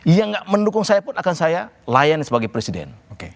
yang mendukung saya pun akan saya layani sebagai presiden